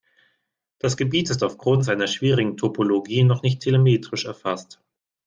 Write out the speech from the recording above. Das Gebiet ist aufgrund seiner schwierigen Topologie noch nicht telemetrisch erfasst.